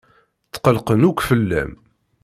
Tqellqen akk fell-am.